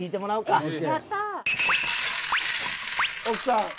奥さん。